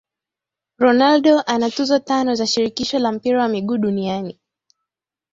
Ronaldo ana tuzo tano za shirikisho la mpira wa miguu Duniani